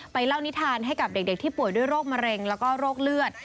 เล่านิทานให้กับเด็กที่ป่วยด้วยโรคมะเร็งแล้วก็โรคเลือด